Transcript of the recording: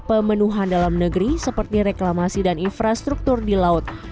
pemenuhan dalam negeri seperti reklamasi dan infrastruktur di laut